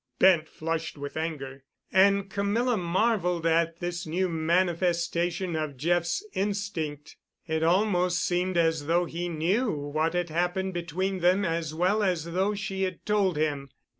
Bent flushed with anger, and Camilla marveled at this new manifestation of Jeff's instinct. It almost seemed as though he knew what had happened between them as well as though she had told him.